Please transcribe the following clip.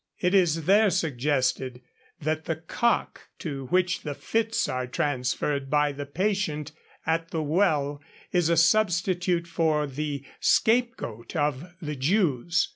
It is there suggested that the cock to which the fits are transferred by the patient at the well is a substitute for the scapegoat of the Jews.